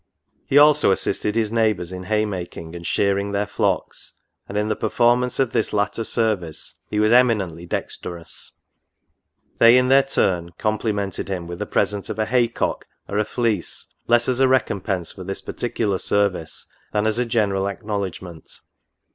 He also assisted his neighbours in hay making and shear ing their flocks, and in the performance of this latter ser vice he was eminently dexterous. They, in their turn, com plimented him with a present of a hay cock, or a fleece; less as a recompence for this particular service than as a ge neral acknowledgment.